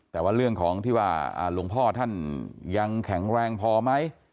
แต่ว่าเรื่องของที่ว่าหลวงพ่อท่านยังแข็งแรงพอไหม